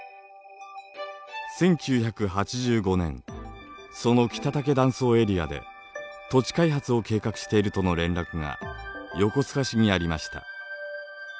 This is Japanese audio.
１９８５年その北武断層エリアで土地開発を計画しているとの連絡が横須賀市にありました。